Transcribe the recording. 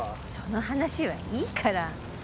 その話はいいから。